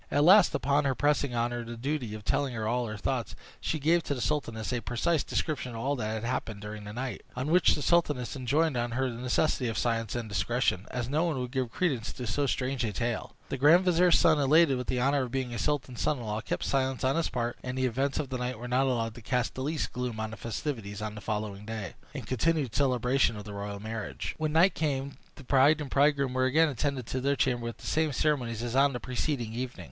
At last, upon her pressing on her the duty of telling her all her thoughts, she gave to the sultaness a precise description of all that happened to her during the night; on which the sultaness enjoined on her the necessity of silence and discretion, as no one would give credence to so strange a tale. The grand vizier's son, elated with the honor of being the sultan's son in law, kept silence on his part, and the events of the night were not allowed to cast the least gloom on the festivities on the following day, in continued celebration of the royal marriage. When night came the bride and bridegroom were again attended to their chamber with the same ceremonies as on the preceding evening.